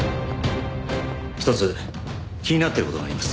一つ気になってる事があります。